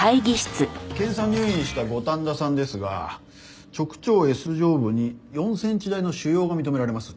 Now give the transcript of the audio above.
検査入院した五反田さんですが直腸Ｓ状部に４センチ大の腫瘍が認められます。